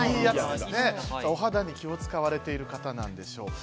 お肌に気を使われてる方なんでしょうか？